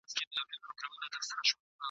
کشکي ټول وجود مي یو شان ښکارېدلای !.